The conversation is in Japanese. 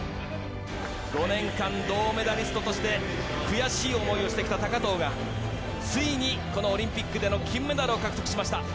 ５年間、銅メダリストとして悔しい思いをしてきた高藤が、ついに、このオリンピックでの金メダルを獲得しました。